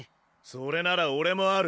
それなら俺もある。